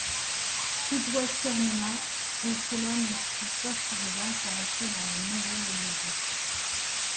Südwest' termina et cela ne fut pas suffisant pour entrer dans la nouvelle ligue.